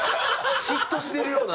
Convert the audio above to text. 嫉妬してるような。